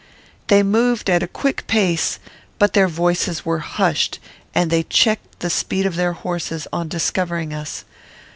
They moved at a quick pace, but their voices were hushed, and they checked the speed of their horses, on discovering us.